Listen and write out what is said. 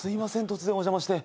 突然お邪魔して。